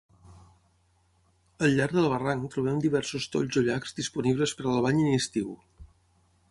Al llarg del barranc trobem diversos tolls o llacs disponibles per al bany en estiu.